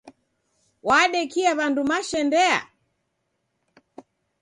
Wadekia w'andu mashendea?